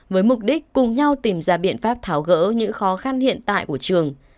với mục đích cùng nhau tìm ra biện pháp tháo gỡ những khó khăn hiện tại của trường